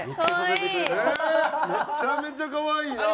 めちゃめちゃ可愛いな！